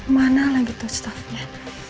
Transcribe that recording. mana lagi tuh stafnya